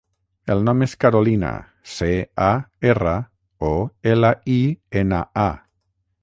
El nom és Carolina: ce, a, erra, o, ela, i, ena, a.